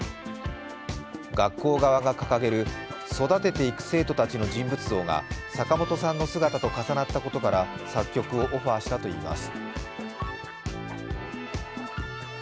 学校側が掲げる育てていく生徒たちの人物像が坂本さんの姿と重なったことから作曲をオファーしたといいます。